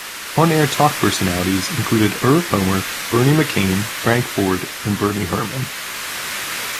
On-air talk personalities included Irv Homer, Bernie McCain, Frank Ford and Bernie Herman.